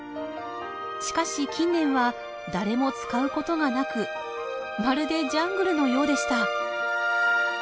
しかし近年は誰も使うことがなくまるでジャングルのようでした。